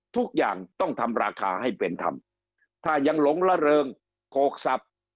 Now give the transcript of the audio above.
ทุกอย่างต้องทำราคาให้เป็นธรรมถ้ายังหลงละเริงโกกสับ